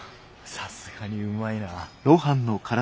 さすがにうまいなぁ。